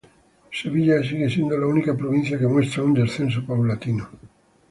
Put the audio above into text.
Sevilla sigue siendo la única provincia que muestra un descenso paulatino